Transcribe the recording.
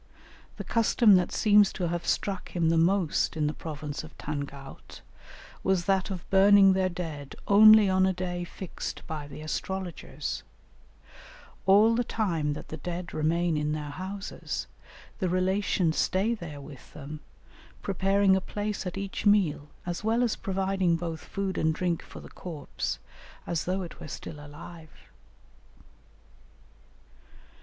The custom that seems to have struck him the most in the province of Tangaut, was that of burning their dead only on a day fixed by the astrologers; "all the time that the dead remain in their houses, the relations stay there with them, preparing a place at each meal as well as providing both food and drink for the corpse, as though it were still alive."